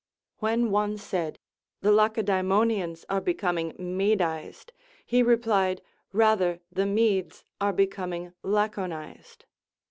ΛVllen one said, The Lacedaemonians are becoming medized, he replied, Kather the Modes are becoming laconized.